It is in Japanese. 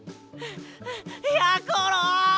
やころ！